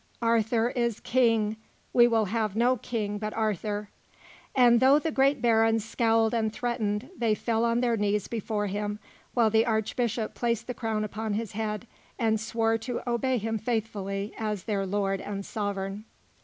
Arthur is King! We will have no King but Arthur"; and, though the great barons scowled and threatened, they fell on their knees before him while the Archbishop placed the crown upon his head, and swore to obey him faithfully as their lord and sovereign.